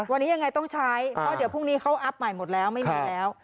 วันนี้ยังไงต้องใช้เพราะเดี๋ยวพรุ่งนี้เขาอัพใหม่หมดแล้วไม่มีแล้ว